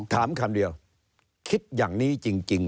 คำเดียวคิดอย่างนี้จริง